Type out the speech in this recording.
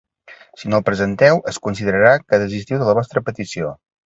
Si no el presenteu, es considerarà que desistiu de la vostra petició.